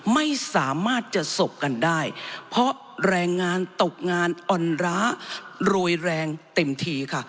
ไม่สามารถจะสบกันได้เพราะแรงงานตกงานอ่อนร้ารวยแรงเต็มทีค่ะ